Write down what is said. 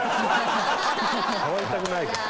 触りたくないかな。